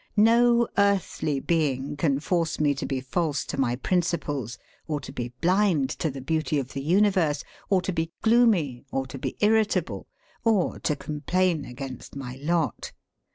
No earthly being can force me to be false to my principles, or to be blind to the beauty of the universe, or to be gloomy, or to be irritable, or to complain against my lot.